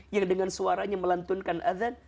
yang dengan suaranya melantunkan azan